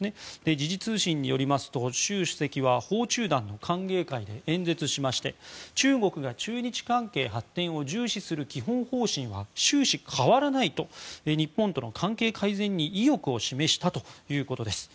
時事通信によりますと習主席は訪日団の歓迎会で演説しまして中国が中日関係発展を重視する基本方針は終始変わらないと日本との関係改善に意欲を示したということです。